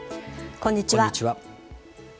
こんにちは。